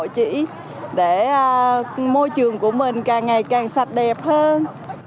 chỉ để môi trường của mình càng ngày càng sạch đẹp hơn